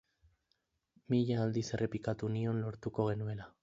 Mila aldiz errepikatu nion lortuko genuela.